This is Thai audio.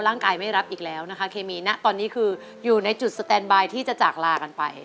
ร่างกายไม่รับอีกแล้วนะคะเคมีนะตอนนี้คืออยู่ในจุดสแตนบายที่จะจากลากันไป